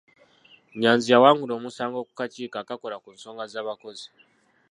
Nnyanzi yawangula omusango mu kakiiko akakola ku nsonga z'abakozi.